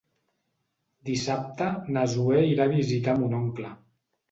Dissabte na Zoè irà a visitar mon oncle.